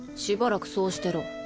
しばらくそうしてろ。